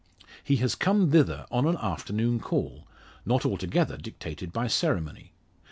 He has come thither on an afternoon call, not altogether dictated by ceremony.